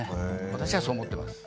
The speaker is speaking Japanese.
私はそう思ってます